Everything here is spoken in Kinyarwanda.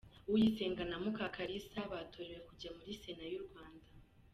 Uyisenga na Mukakalisa batorewe kujya muri Sena y’u Rwanda